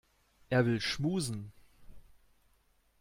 Er will schmusen.